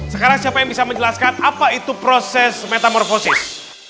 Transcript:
sekarang siapa yang bisa menjelaskan apa itu proses metamorfosis